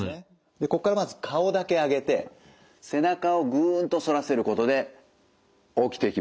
でここからまず顔だけ上げて背中をグンと反らせることで起きてきます。